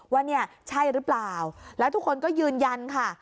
ว่าเนี่ยใช่หรือเปล่าแล้วทุกคนก็ยืนยันค่ะ